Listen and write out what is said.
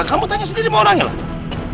kamu tanya sendiri sama orangnya lah